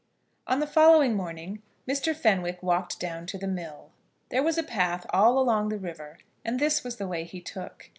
On the following morning Mr. Fenwick walked down to the mill. There was a path all along the river, and this was the way he took.